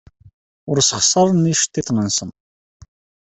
Ur ssexṣaren iceḍḍiḍen-nsen.